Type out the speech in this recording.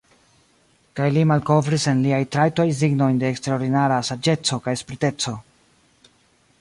Kaj li malkovris en liaj trajtoj signojn de eksterordinara saĝeco kaj spriteco.